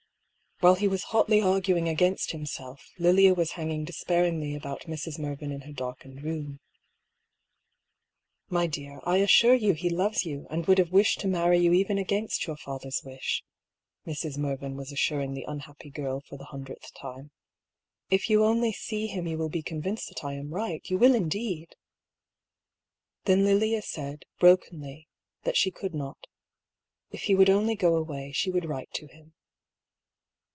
While he was hotly arguing against himself Lilia was hanging despairingly about Mrs. Mervyn in her dark ened room. " My dear, I assure you he loves you, and would have wished to marry you even against your father's wish," Mrs. Mervyn was assuring the unhappy girl for the hundredth time. " If you only see him, you will be con vinced that I am right. Ton will, indeed !" Then Lilia said, brokenly, that she could not. If he would only go away, she would write to him.